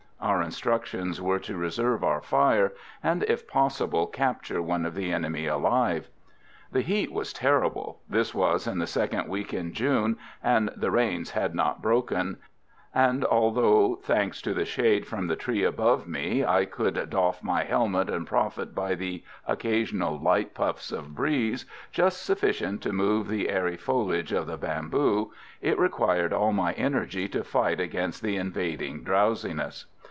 Our instructions were to reserve our fire, and, if possible, capture one of the enemy alive. The heat was terrible this was in the second week in June, and the rains had not broken and although, thanks to the shade from the tree above me, I could doff my helmet and profit by the occasional light puffs of breeze, just sufficient to move the airy foliage of the bamboo, it required all my energy to fight against the invading drowsiness.